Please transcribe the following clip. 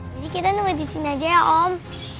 jadi kita nunggu disini aja ya om